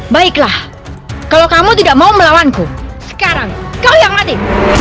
baiklah kalau kamu tidak mau melawanku sekarang kau yang mati